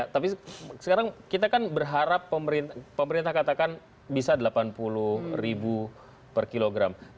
tapi sekarang kita kan berharap pemerintah katakan bisa delapan puluh ribu per kilogram